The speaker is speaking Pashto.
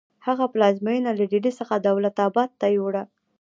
هغه پلازمینه له ډیلي څخه دولت اباد ته یوړه.